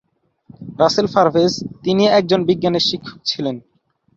রাসেল পারভেজ, তিনি একজন বিজ্ঞানের শিক্ষক ছিলেন।